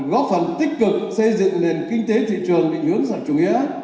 góp phần tích cực xây dựng nền kinh tế thị trường định hướng sau chủ nghĩa